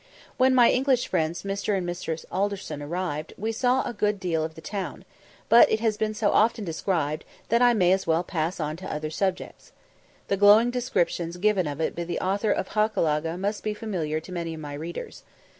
When my English friends Mr. and Mrs. Alderson arrived, we saw a good deal of the town; but it has been so often described, that I may as well pass on to other subjects. The glowing descriptions given of it by the author of 'Hochelaga' must be familiar to many of my readers.